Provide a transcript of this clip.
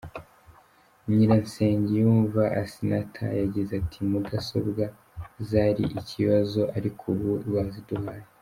Nyiransengiyumva Asinatha yagize ati” Mudasobwa zari ikibazo ariko ubu baziduhaye.